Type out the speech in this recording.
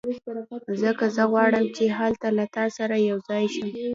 ځکه زه غواړم چې هلته له تا سره یو ځای شم